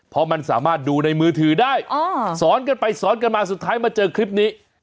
เพราะมันสามารถดูในมือถือได้สอนกันไปสอนกันมาสุดท้ายมาเจอคลิปนี้